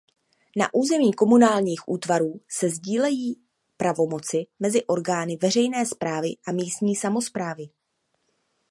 Na území komunálních útvarů se sdílejí pravomoci mezi orgány veřejné správy a místní samosprávy.